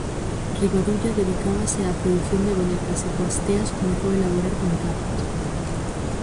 Rivadulla dedicábase á produción de bonecas, e coas teas comezou a elaborar pancartas.